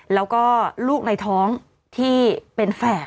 แล้วก็ลูกในท้องที่เป็นแฝด